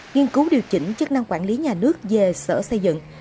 nghiên cứu điều chỉnh chức năng quản lý nhà nước về sở xây dựng